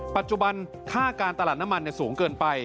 ปัจจุบันค่าการตลาดน้ำมันสูงเกินไป